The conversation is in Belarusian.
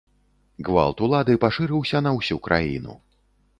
Гвалт улады пашырыўся на ўсю краіну.